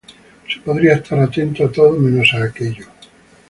Se podría estar atento a todo, menos a aquello.